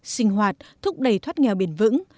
sinh hoạt thúc đẩy thoát nghèo bền vững